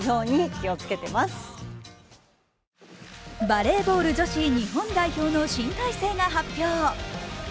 バレーボール女子日本代表の新体制が発表。